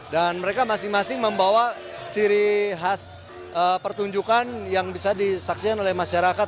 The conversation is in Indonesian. dan mereka masing masing membawa ciri khas pertunjukan yang bisa disaksikan oleh masyarakat